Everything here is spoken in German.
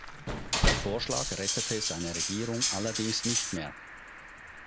Der Vorschlag rettete seine Regierung allerdings nicht mehr.